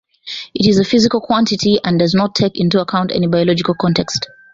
It is a physical quantity, and does not take into account any biological context.